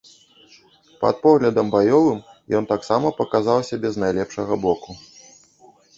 Пад поглядам баёвым ён таксама паказаў сябе з найлепшага боку.